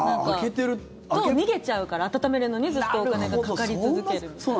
逃げちゃうから温めるのに、ずっとお金がかかり続けるみたいな。